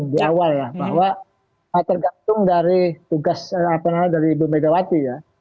di awal ya bahwa tergantung dari tugas apa namanya dari ibu megawati ya